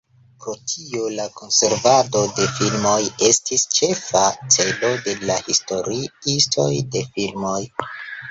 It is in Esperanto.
Pro tio la konservado de filmoj estis ĉefa celo de la historiistoj de filmoj.